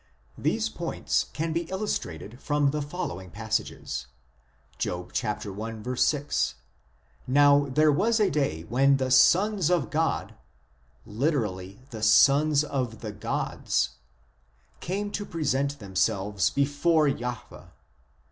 These points can be illustrated from the following passages : Job i. 6, " Now there was a day when the sons of God (lit. the sons of the gods ) came to present themselves before Jahwe. ..."